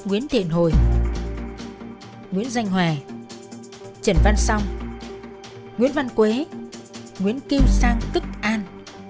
nguyễn thiện hồi nguyễn danh hòa trần văn song nguyễn văn quế nguyễn kiêu sang cức an